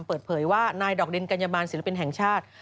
เปิดเผยว่านายดอกดินกัญญบันศิลปินแห่งชาติ